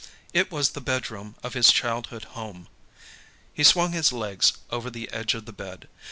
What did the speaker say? It was the bedroom of his childhood home. He swung his legs over the edge of the bed.